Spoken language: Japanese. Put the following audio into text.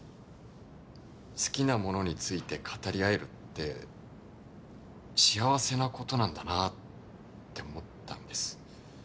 好きなものについて語り合えるって幸せな事なんだなあって思ったんです。